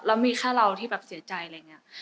แล้วมีแค่เราที่แบบเสียใจอะไรอย่างนี้